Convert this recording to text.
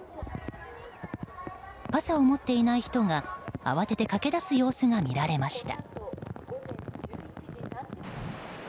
傘を持っていない人が慌てて駆け出す様子が見られました。